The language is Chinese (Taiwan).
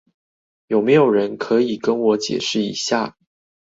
有沒有人可以跟我解釋一下